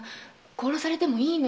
殺されてもいいの？